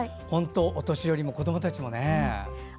本当、お年寄りも子どもたちもね。